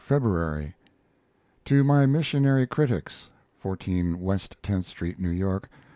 February. TO MY MISSIONARY CRITICS (14 West Tenth Street, New York) N.